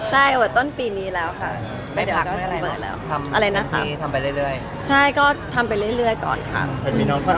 ให้ทำงานอีกปี๒ปีหน้าแต่จะต้องมาเป็นครึ